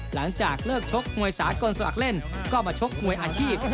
หลังจากเลิกชกมวยสากลสมัครเล่นก็มาชกมวยอาชีพ